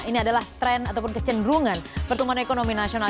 ini adalah tren ataupun kecenderungan pertumbuhan ekonomi nasional